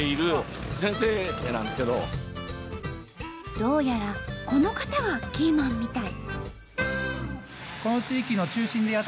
どうやらこの方がキーマンみたい。